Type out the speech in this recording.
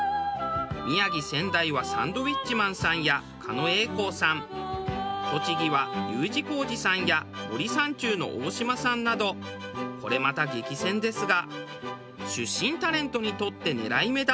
宮城仙台はサンドウィッチマンさんや狩野英孝さん栃木はＵ字工事さんや森三中の大島さんなどこれまた激戦ですが。